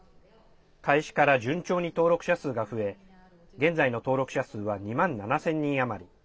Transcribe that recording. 開始から順調に登録者数が増え現在の登録者数は２万７０００人余り。